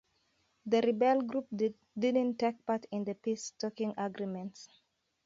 The rebel group didn't take part in the peace talking agreements.